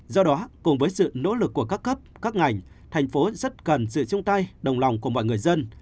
do đó cùng với sự nỗ lực của các cấp các ngành thành phố rất cần sự chung tay đồng lòng của mọi người dân